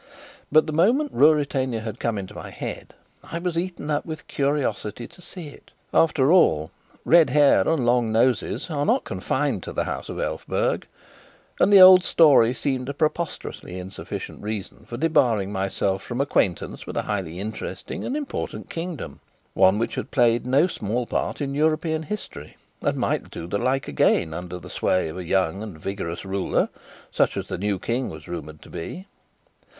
But the moment Ruritania had come into my head I was eaten up with a curiosity to see it. After all, red hair and long noses are not confined to the House of Elphberg, and the old story seemed a preposterously insufficient reason for debarring myself from acquaintance with a highly interesting and important kingdom, one which had played no small part in European history, and might do the like again under the sway of a young and vigorous ruler, such as the new King was rumoured to be.